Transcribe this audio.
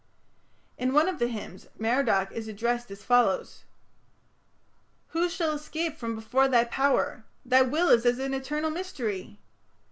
" In one of the hymns Merodach is addressed as follows: Who shall escape from before thy power? Thy will is an eternal mystery!